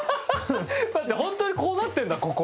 待ってホントにこうなってんだここ。